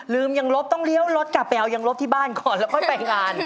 ลืมยังลบต้องเลี้ยวรถกระเป๋ายังลบที่บ้านก่อนแล้วก็ไปงาน